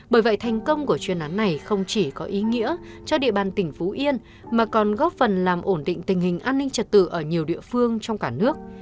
bởi vậy thành công của chuyên án này không chỉ có ý nghĩa cho địa bàn tỉnh phú yên mà còn góp phần làm ổn định tình hình an ninh trật tự ở nhiều địa phương trong cả nước